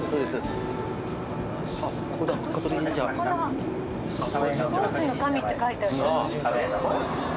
スポーツの神って書いてある。